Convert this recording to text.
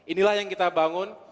inilah yang kita bangun